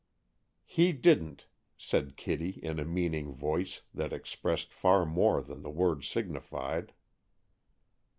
"He didn't," said Kitty in a meaning voice that expressed far more than the words signified.